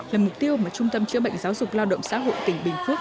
là mục tiêu mà trung tâm chữa bệnh giáo dục lao động xã hội tỉnh bình phước